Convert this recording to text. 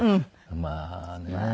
まあねえ。